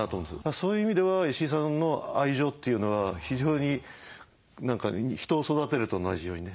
そういう意味では石井さんの愛情というのは非常に人を育てるのと同じようにね